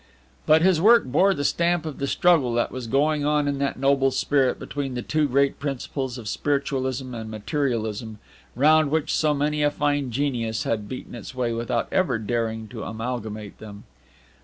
But his work bore the stamp of the struggle that was going on in that noble Spirit between the two great principles of Spiritualism and Materialism, round which so many a fine genius has beaten its way without ever daring to amalgamate them.